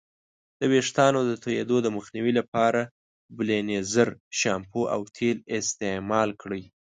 د ویښتانو د توییدو د مخنیوي لپاره بیلینزر شامپو او تیل استعمال کړئ.